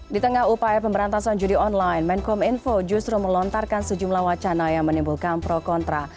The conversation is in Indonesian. di tengah upaya pemberantasan judi online menkom info justru melontarkan sejumlah wacana yang menimbulkan pro kontra